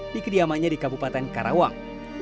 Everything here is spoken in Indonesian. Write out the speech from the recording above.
dikediamannya di kabupaten karawang